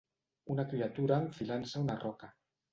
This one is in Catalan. Una criatura enfilant-se a una roca.